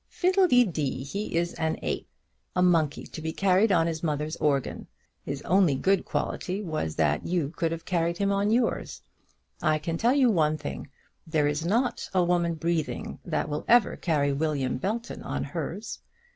"Fiddle de dee. He is an ape, a monkey to be carried on his mother's organ. His only good quality was that you could have carried him on yours. I can tell you one thing; there is not a woman breathing that will ever carry William Belton on hers.